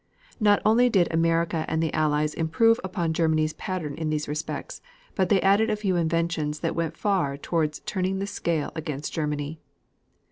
Not only did America and the Allies improve upon Germany's pattern in these respects, but they added a few inventions that went far toward turning the scale against Germany.